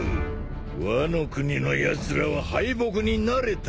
ワノ国のやつらは敗北に慣れたのさ。